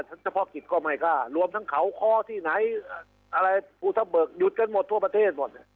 ทักษะพ่อกิจก็ไม่กล้ารวมทั้งเขาข้อที่ไหนผู้ท่อเบิกหยุดกันทั่วประเทศหมด